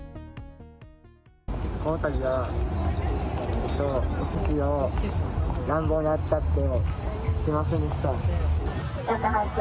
このたびはおすしを乱暴に扱ってすみませんでした。